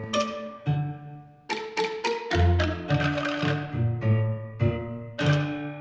kamu sama kinanti